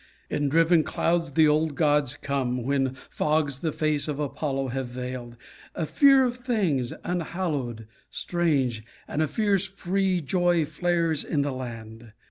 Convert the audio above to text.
In driven clouds the old gods come, When fogs the face of Apollo have veiled; A fear of things, unhallowed, strange, And a fierce free joy flares in the land.